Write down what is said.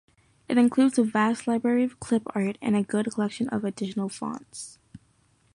It includes a vast library of clip-art, and a good collection of additional fonts.